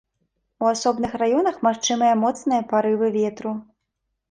У асобных раёнах магчымыя моцныя парывы ветру.